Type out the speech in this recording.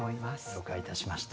了解いたしました。